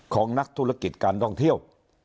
ของนักธุรกิจการท่องเที่ยว